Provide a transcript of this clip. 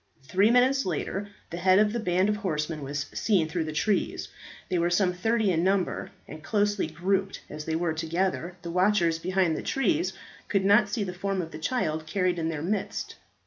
Three minutes later the head of a band of horsemen was seen through the trees. They were some thirty in number, and, closely grouped as they were together, the watchers behind the trees could not see the form of the child carried in their midst.